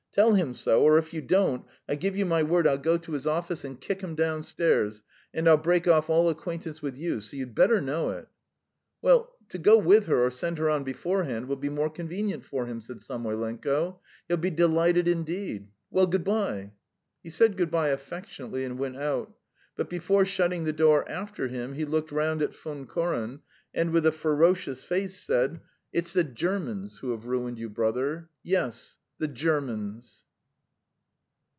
Tell him so, or, if you don't, I give you my word I'll go to his office and kick him downstairs, and I'll break off all acquaintance with you. So you'd better know it." "Well! To go with her or send her on beforehand will be more convenient for him," said Samoylenko. "He'll be delighted indeed. Well, goodbye." He said good bye affectionately and went out, but before shutting the door after him, he looked round at Von Koren and, with a ferocious face, said: "It's the Germans who have ruined you, brother! Yes! The Germans!"